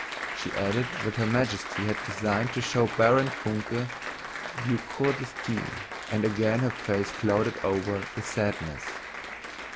She added that Her Majesty had deigned to show Baron Funke beaucoup d'estime, and again her face clouded over with sadness.